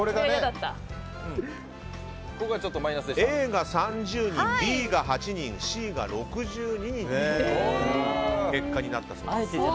Ａが３０人Ｂが８人、Ｃが６２人という結果になったそうです。